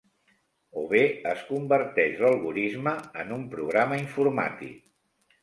O bé es converteix l'algorisme en un programa informàtic.